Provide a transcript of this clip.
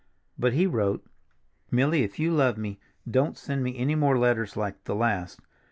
But he wrote, "Milly, if you love me, don't send me any more letters like the last.